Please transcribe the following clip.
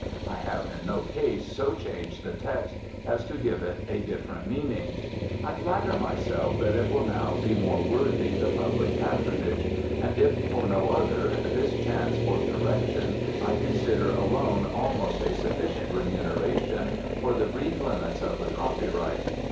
I have in no case so changed the text as to give it a different meaning. I flatter m3'self that it will now be more worthy the public patronage ; and if for no other, this chance for correction I consider alone almost a sufficient remuneration for the brief limits of the copyright.